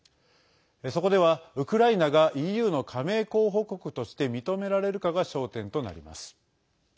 そこでは、ウクライナがＥＵの加盟候補国として認められるかが焦点となります。